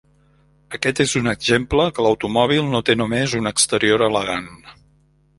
Aquest és un exemple que l'automòbil no té només un exterior elegant.